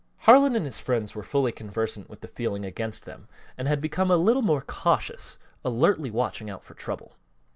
Harlan and his friends were fully conversant with the feeling against them and had become a little more cautious, alertly watching out for trouble.